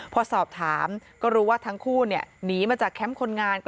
พอสอบถามก็รู้ว่าทั้งคู่หนีมาจากแคมป์คนงาน